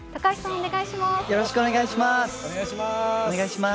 お願いします。